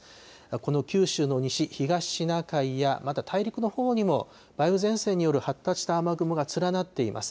この九州の西、東シナ海やまた大陸のほうにも梅雨前線による発達した雨雲が連なっています。